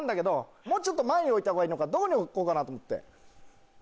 もうちょっと前に置いたほうがいいのかどこに置こうかなと思って。